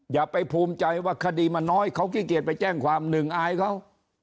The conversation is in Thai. อย่าไปภูมิใจว่าคดีมันน้อยเขาขี้เกียจไปแจ้งความหนึ่งอายเขา